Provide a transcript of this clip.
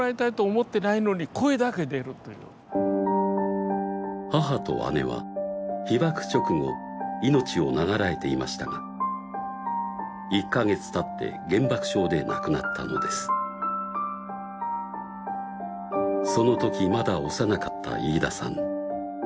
もうホントに突然出てくる母と姉は被爆直後命を長らえていましたが１か月たって原爆症で亡くなったのですそのときまだ幼かった飯田さん